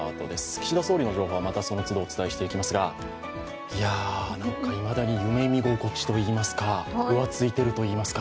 岸田総理の情報は、またその都度お伝えしていきますが、いや、いまだに夢見心地と言いますか、浮ついているといいますか。